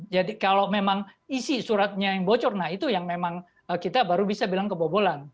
jadi kalau memang isi suratnya yang bocor nah itu yang memang kita baru bisa bilang kebobolan